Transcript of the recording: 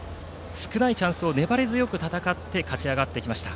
少ないチャンスを粘り強く戦って勝ち上がってきました。